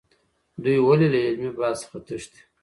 دوی ولې له علمي بحث څخه تښتي؟